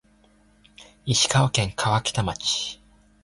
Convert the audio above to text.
石川県川北町